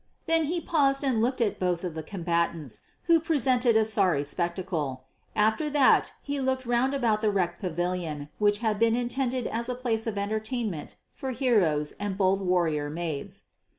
Then he paused and looked at both of the combatants, who presented a sorry spectacle. After that he looked round about the wrecked pavilion which had been intended as a place of entertainment for heroes and bold warrior maids.